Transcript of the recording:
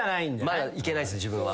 まだ行けないっす自分は。